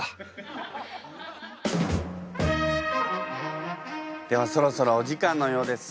あっではそろそろお時間のようです。